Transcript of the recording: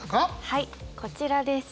はいこちらです。